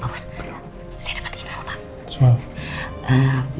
pak bos saya dapet info pak